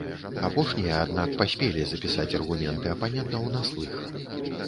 Апошнія, аднак, паспелі запісаць аргументы апанентаў на слых.